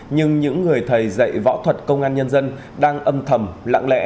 nhưng những người thầy dạy võ thuật công an nhân dân đang âm thầm lặng lẽ